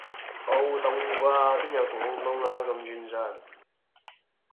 煲東瓜邊有廣東話咁傳神